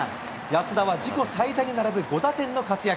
安田は自己最多に並ぶ５打点の活躍。